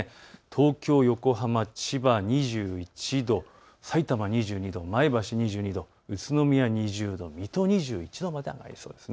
東京、横浜、千葉、２１度、さいたま２２度、前橋２２度、宇都宮２０度、水戸２１度まで上がりそうです。